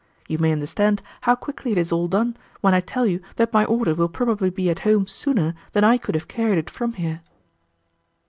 You may understand how quickly it is all done when I tell you that my order will probably be at home sooner than I could have carried it from here."